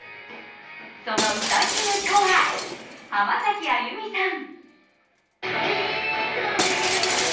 その歌姫とは、浜崎あゆみさん。